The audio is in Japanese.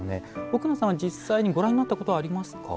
奥野さんは実際にご覧になったことはありますか。